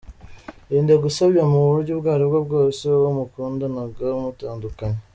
Irinde gusebya mu buryo ubwo aribwo bwose uwo mwakundanaga mutandukanye.